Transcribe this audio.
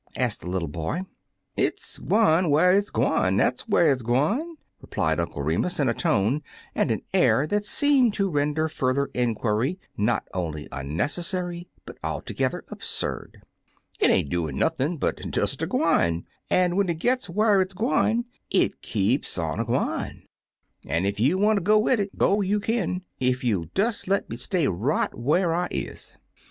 asked the little boy. "It's gwine whar it's gwine, dat's whar it 's gwine," replied Uncle Remus, in a tone and with an air that seemed to render further mquiiy not only unnecessary, but altogether absurd. "It ain't doin' nothin' but des a gwine, an' when it gits whar it's gwine, it keeps on a gwine; an' ef you 83 Uncle Remus Returns wanter go wid it, go you kin, ef you '11 des le' me stay right whar I is."